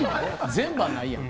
全歯ないやん。